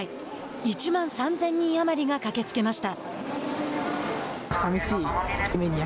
１万３０００人余りが駆けつけました。